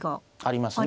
ありますね。